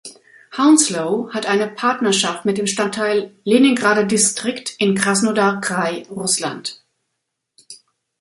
Hounslow hat eine Partnerschaft mit dem Stadtteil "Leningrader Distrikt" in Krasnodar Krai, Russland.